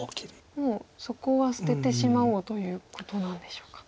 もうそこは捨ててしまおうということなんでしょうか。